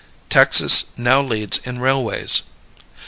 Texas Now Leads in Railways.